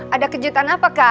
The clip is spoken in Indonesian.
ada kejutan apa kak